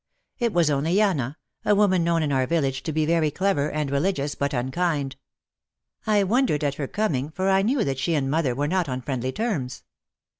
It was only Yana, a woman known in our village to be very clever and re ligious, but unkind. I wondered at her coming for I OUT OF THE SHADOW 17 knew that she and my mother were not on friendly terms.